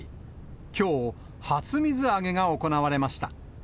きょう、初水揚げが行われました。